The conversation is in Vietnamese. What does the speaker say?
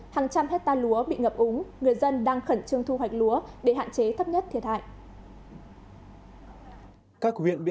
hàng trăm hectare lúa bị ngập úng người dân đang khẩn trương thu hoạch lúa để hạn chế thấp nhất thiệt hại